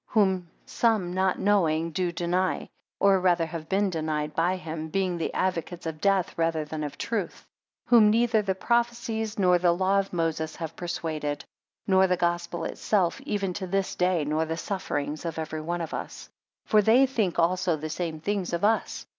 8 Whom some not knowing, do deny; or rather have been denied by him, being the advocates of death, rather than of the truth. Whom neither the prophecies, nor the law of Moses have persuaded; nor the Gospel itself, even to this day; nor the sufferings of every one of us. 9 For they think also the same things of us.